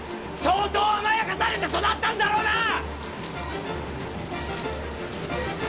相当甘やかされて育ったんだろうな！